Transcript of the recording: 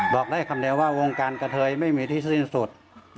บอกได้คำเดียวว่าวงการกระเทยไม่มีที่สิ้นสุด